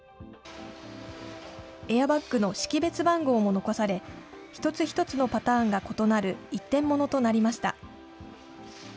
エアバッグの識別番号も残され、一つ一つのパターンが異なる、一点物となりました。